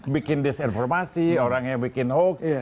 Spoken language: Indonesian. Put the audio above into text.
bikin disinformasi orang yang bikin hoax